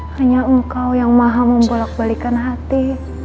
hanya engkau yang maha membolak balikan hati